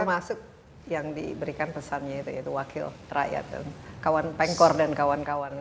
termasuk yang diberikan pesannya itu yaitu wakil rakyat kawan pengkor dan kawan kawan